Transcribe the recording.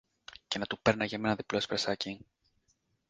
και να του πέρναγε με ένα διπλό εσπρεσάκι